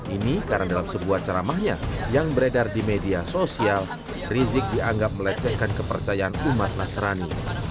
ini karena dalam sebuah ceramahnya yang beredar di media sosial rizik dianggap melecehkan kepercayaan umat nasrani